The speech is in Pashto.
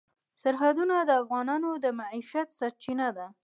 سرحدونه د افغانانو د معیشت سرچینه ده.